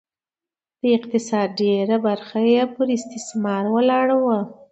د اقتصاد ډېره برخه یې پر استثمار ولاړه وه